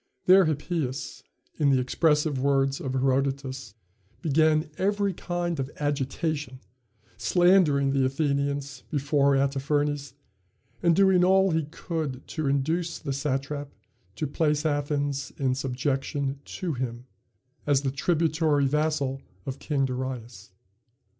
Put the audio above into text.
There Hippias in the expressive words of Herodotus began every kind of agitation, slandering the Athenians before Artaphernes, and doing all he could to induce the satrap to place Athens in subjection to him, as the tributary vassal of King Darius.